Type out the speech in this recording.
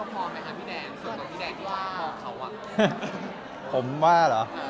ผมว่าหรอ